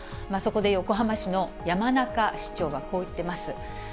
そこで横浜市の山中市長はこう言っています。